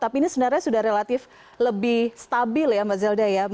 tapi ini sebenarnya sudah relatif lebih stabil ya mbak zelda ya